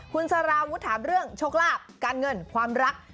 คุณสารวุฒิถามเรื่องโชคลาภการเงินความรัก